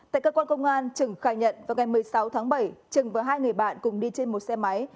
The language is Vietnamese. tại cơ quan công an trừng khai nhận vào ngày một mươi sáu tháng bảy trừng và hai người bạn cùng đi trên một xe máy